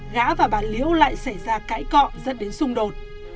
gã và bà liễu lại xảy ra cãi cọ dẫn đến xung đột